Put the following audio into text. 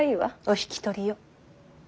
お引き取りを。